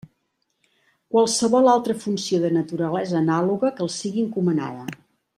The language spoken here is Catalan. Qualsevol altra funció de naturalesa anàloga que els sigui encomanada.